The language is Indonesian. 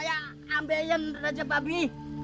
pantas pantas saya ambil yang raja babi